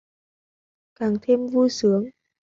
Càng thêm vui sướng